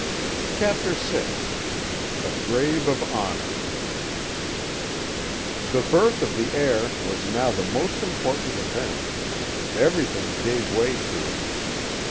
CHAPTER VI THE GRAVE OF HONOUR "The birth of the heir was now the most important event; everything gave way to it.